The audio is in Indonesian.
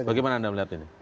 bagaimana anda melihat ini